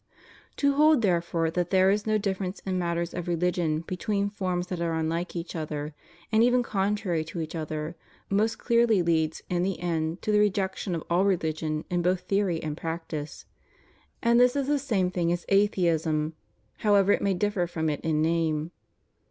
To hold therefore that there is no difference in matters of reUgion between forms that are unlike each other, and even contrary to each other, most clearly leads in the end to the rejection of all religion in both theory and practice. And this is the same thing as atheism, however it may differ from it in name.